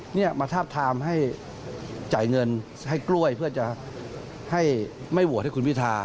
เนี่ยมาทาบทามให้จ่ายเงินให้กล้วยเพื่อจะให้ไม่โหวตให้คุณพิทา